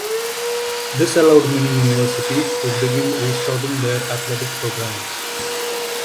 This allowed many universities to begin restarting their athletic programs.